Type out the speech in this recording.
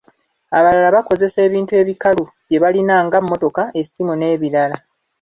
Abalala bakozesa ebintu ebikalu bye balina nga, mmotoka, essimu n'ebirala.